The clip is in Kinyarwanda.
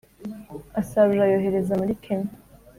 Asarura yohereza muri Kenya